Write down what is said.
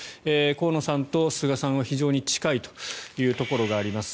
河野さんと菅さんは非常に近いというところがあります。